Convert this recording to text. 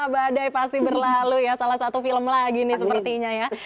badai pasti berlalu ya salah satu film lagi nih sepertinya ya